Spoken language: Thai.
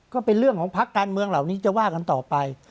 ก็เป็นเรื่องของพักการเมืองเหล่านี้จะว่ากันต่อไป